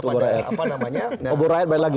ya saya dengar obor rakyat baik lagi